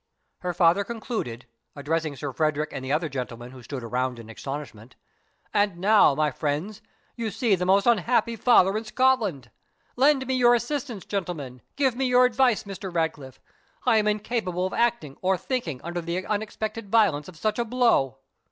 Her father concluded, addressing Sir Frederick and the other gentlemen, who stood around in astonishment, "And now, my friends, you see the most unhappy father in Scotland. Lend me your assistance, gentlemen give me your advice, Mr. Ratcliffe. I am incapable of acting, or thinking, under the unexpected violence of such a blow."